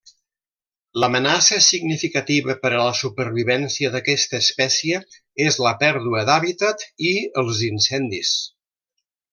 L'amenaça significativa per a la supervivència d'aquesta espècie és la pèrdua d'hàbitat i els incendis.